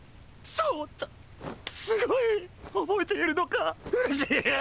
そうすごい！覚えているのか嬉しい！